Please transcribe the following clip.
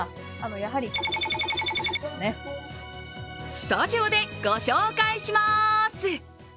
スタジオでご紹介します。